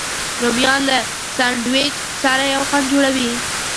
رومیان له سنډویچ سره یو خوند جوړوي